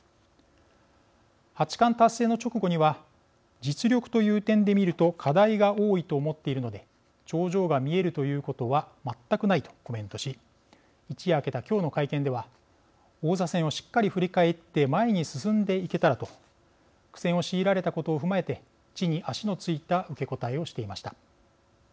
八冠達成の直後には実力という点で見ると課題が多いと思っているので頂上が見えるということはまったくない」とコメントし一夜明けた、今日の会見では「王座戦をしっかり振り返って前に進んでいけたら」と苦戦を強いられたことを踏まえて地に足のついた受け答えをしていました。